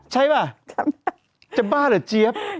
จะบ้าเหรอเจี๊บ